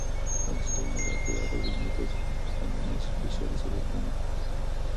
Hans Donner ha creado viñetas animadas especiales sobre el tema.